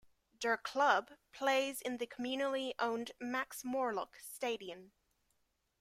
"Der Club" plays in the communally-owned Max-Morlock-Stadion.